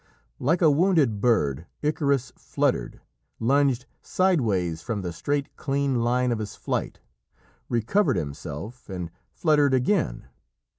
Like a wounded bird Icarus fluttered, lunged sidewise from the straight, clean line of his flight, recovered himself, and fluttered again.